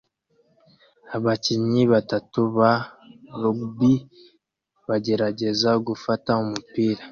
Abakinnyi batatu ba rugby bagerageza gufata umupira